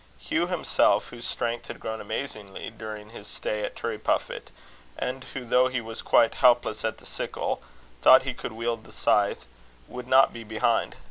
Hugh himself, whose strength had grown amazingly during his stay at Turriepuffit, and who, though he was quite helpless at the sickle, thought he could wield the scythe, would not be behind.